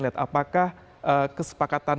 lihat apakah kesepakatan